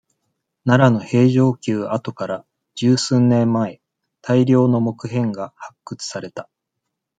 奈良の平城宮跡から、十数年前、大量の木片が、発掘された。